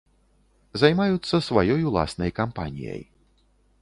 Займаюцца сваёй уласнай кампаніяй.